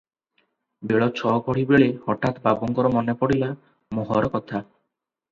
ବେଳ ଛ ଘଡ଼ି ବେଳେ ହଠାତ୍ ବାବୁଙ୍କର ମନରେ ପଡ଼ିଲା ମୋହର କଥା ।